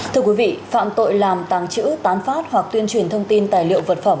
thưa quý vị phạm tội làm tàng trữ tán phát hoặc tuyên truyền thông tin tài liệu vật phẩm